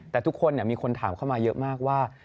แต่ทุกคนมีคนถามเข้ามาเยอะมากว่า